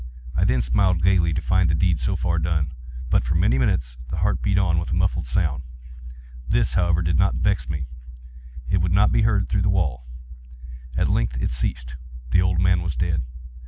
I then smiled gaily, to find the deed so far done. But, for many minutes, the heart beat on with a muffled sound. This, however, did not vex me; it would not be heard through the wall. At length it ceased. The old man was dead.